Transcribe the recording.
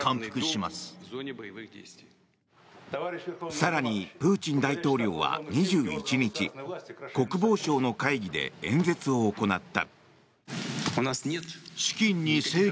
更に、プーチン大統領は２１日国防省の会議で演説を行った。